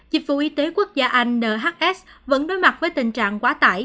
dịch vụ y tế quốc gia anh nhs vẫn đối mặt với tình trạng quá tải